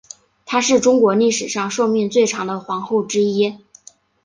她是中国历史上寿命最长的皇后之一。